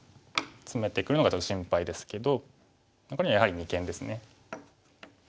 ツメてくるのがちょっと心配ですけどこれにはやはり二間ですね。